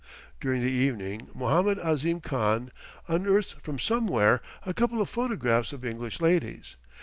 During the evening Mohammed Ahzim Khan unearths from somewhere a couple of photographs of English ladies.